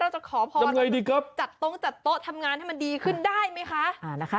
เราจะขอพรจัดตรงจัดโต๊ะทำงานให้มันดีขึ้นได้ไหมคะ